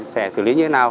sẽ xử lý như thế nào